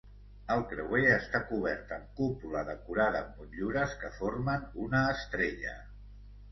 El creuer està cobert amb cúpula decorada amb motllures que formen una estrella.